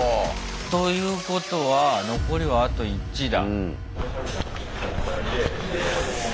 ということは残りはあと１だ。